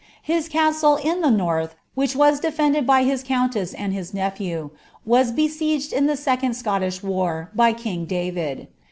His castle in the north, which was defended by his countess and his nephew, was be sieged in the second Scottish war, by king David.